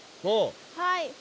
はい。